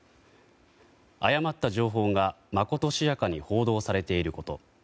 誤った情報が、まことしやかに報道されていること。